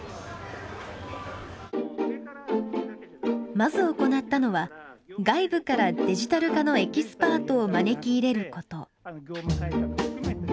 まず行ったのは外部からデジタル化のエキスパートを招き入れること。